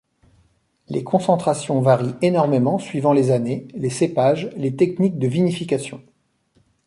Les concentrations varient énormément suivant les années, les cépages, les techniques de vinification.